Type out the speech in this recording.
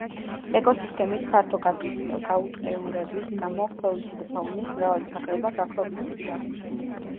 ეკოსისტემის ფართო გაუტყეურების გამო ფლორისა და ფაუნის მრავალი სახეობაა გაქრობის პირას.